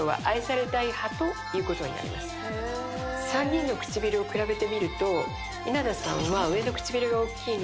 ３人の唇を比べてみると稲田さんは。